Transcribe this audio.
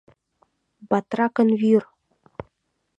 Батракын вӱр!